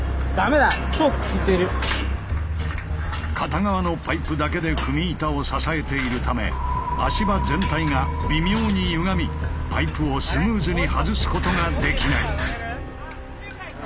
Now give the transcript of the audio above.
片側のパイプだけで踏み板を支えているため足場全体が微妙にゆがみパイプをスムーズに外すことができない。